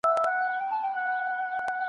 ګړندي مي دي ګامونه، زه سرلارې د کاروان یم .